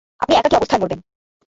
আপনি একাকী অবস্থায় মরবেন!